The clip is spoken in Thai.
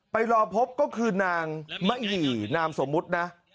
ไปรอพบก็คือนางมะหยี่นามสมมุตินะ